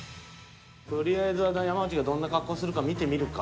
とりあえずは山内がどんな格好するか見てみるか。